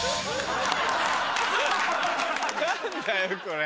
何だよこれ！